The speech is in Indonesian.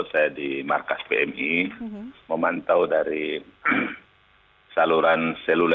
saya di markas pmi memantau dari saluran seluler